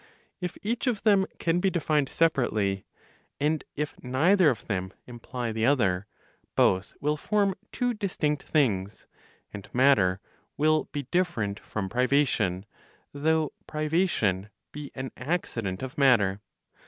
If each of them can be defined separately, and if neither of them imply the other, both will form two distinct things, and matter will be different from privation, though privation be an accident of matter.